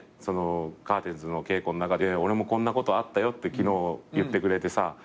『カーテンズ』の稽古の中で俺もこんなことあったよって昨日言ってくれてさ。